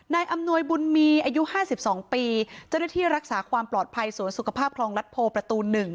อำนวยบุญมีอายุ๕๒ปีเจ้าหน้าที่รักษาความปลอดภัยสวนสุขภาพคลองรัฐโพประตู๑